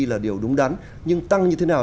là điều đúng đắn nhưng tăng như thế nào